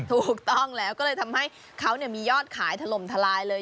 ถูกต้องแล้วก็เลยทำให้เขามียอดขายถล่มทลายเลย